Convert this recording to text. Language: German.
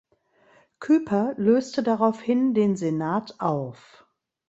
Kuyper löste daraufhin den Senat auf.